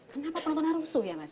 kenapa penontonnya rusuh ya mas